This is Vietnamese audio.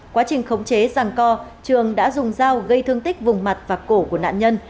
quá trình khống chế rằng co trường đã dùng dao gây thương tích vùng mặt và cổ của nạn nhân